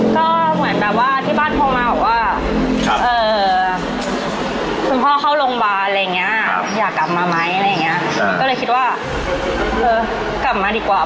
ก็เหมือนแบบว่าที่บ้านพ่อมาพูดว่า